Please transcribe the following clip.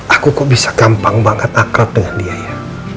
aku kok bisa gampang banget akrab dengan dia ya